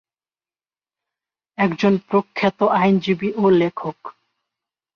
একজন প্রখ্যাত আইনজীবী ও লেখক।